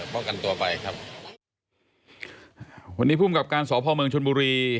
ป้องกันตัวไปครับวันนี้ภูมิกับการสพเมืองชนบุรี